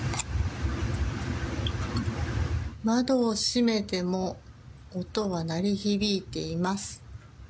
窓を閉めても音は鳴り響いています。